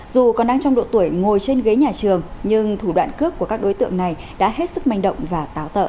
dù còn đang trong độ tuổi ngồi trên ghế nhà trường nhưng thủ đoạn cướp của các đối tượng này đã hết sức manh động và táo tợ